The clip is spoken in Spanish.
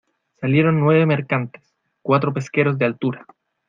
salieron nueve mercantes, cuatro pesqueros de altura